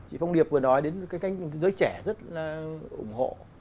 chị phong điệp vừa nói đến cái cách giới trẻ rất là ủng hộ